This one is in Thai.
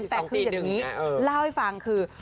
แต่คืออย่างนี้เล่าให้ฟังคือ